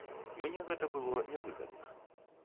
Мне гэта было нявыгадна.